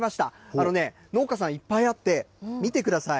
あのね、農家さんいっぱいあって、見てください。